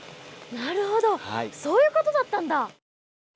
なるほどそういうことだったんだ！